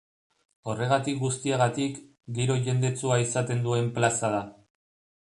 Horregatik guztiagatik, giro jendetsua izaten duen plaza da.